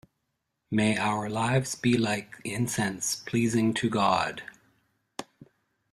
May our lives be like incense pleasing to God.